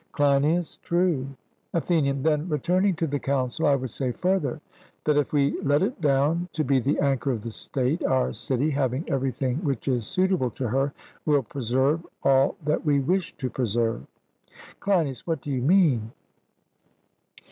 CLEINIAS: True. ATHENIAN: Then, returning to the council, I would say further, that if we let it down to be the anchor of the state, our city, having everything which is suitable to her, will preserve all that we wish to preserve. CLEINIAS: What do you mean?